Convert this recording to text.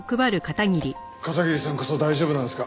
片桐さんこそ大丈夫なんですか？